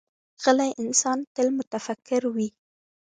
غلی انسان، تل متفکر وي.